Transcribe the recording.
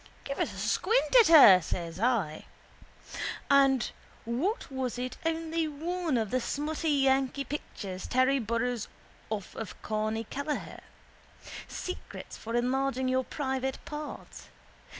—Give us a squint at her, says I. And what was it only one of the smutty yankee pictures Terry borrows off of Corny Kelleher. Secrets for enlarging your private parts.